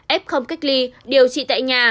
ép không cách ly điều trị tại nhà